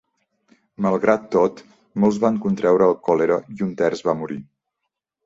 Malgrat tot, molts van contreure el còlera i un terç va morir.